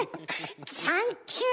サンキュー！